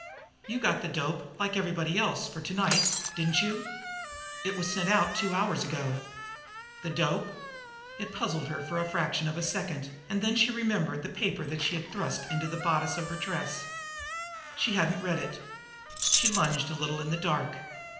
You got the dope, like everybody else, for to night, didn't you? It was sent out two hours ago." The dope! It puzzled her for the fraction of a second and then she remembered the paper she had thrust into the bodice of her dress. She had not read it. She lunged a little in the dark.